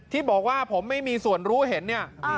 ที่บอกว่าผมไม่มีส่วนรู้เห็นเนี่ย